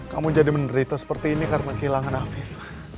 kamu jadi menderita seperti ini karena kehilangan hafifa